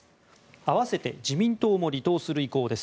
合わせて自民党も離党する意向です。